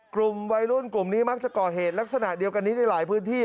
กลุ่มวัยรุ่นกลุ่มนี้มักจะก่อเหตุลักษณะเดียวกันนี้ในหลายพื้นที่